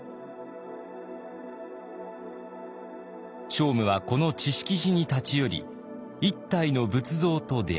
聖武はこの智識寺に立ち寄り一体の仏像と出会いました。